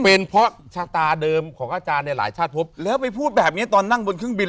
เป็นเพราะชะตาเดิมของอาจารย์เนี่ยหลายชาติพบแล้วไปพูดแบบนี้ตอนนั่งบนเครื่องบิน